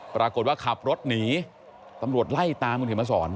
ปรากฏว่าขับรถหนีตำรวจไล่ตามกับถิ่มศร